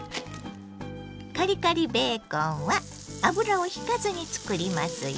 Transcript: カリカリベーコンは油をひかずにつくりますよ。